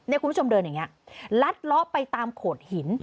คุณผู้ชมเดินอย่างนี้ลัดล้อไปตามโขดหิน